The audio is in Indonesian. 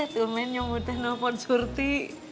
tuh men nyobotnya nopon surti